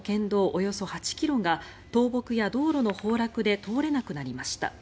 およそ８ｋｍが倒木や道路の崩落で通れなくなりました。